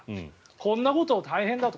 こんなこと、大変だと。